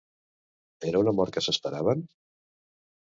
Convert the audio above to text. Era una mort que s'esperaven?